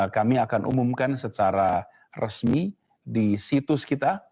kami akan umumkan secara resmi di situs kita